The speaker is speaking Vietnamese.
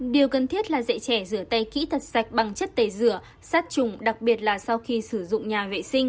điều cần thiết là dạy trẻ rửa tay kỹ thuật sạch bằng chất tẩy rửa sát trùng đặc biệt là sau khi sử dụng nhà vệ sinh